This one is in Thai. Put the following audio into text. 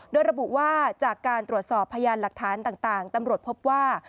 โดยระบุว่าจากการตรวจสอบพยานหลักฐานต่างตำรวจพบว่า